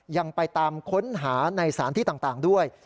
ยังไปตามค้นหาในสารที่ต่างด้วย